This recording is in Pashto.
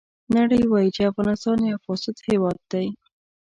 نړۍ وایي چې افغانستان یو فاسد هېواد دی.